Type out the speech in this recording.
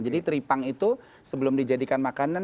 jadi tripang itu sebelum dijadikan makanan